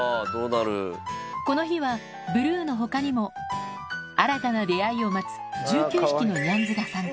この日は、ブルーのほかにも、新たな出会いを待つ１９匹のニャンズが参加。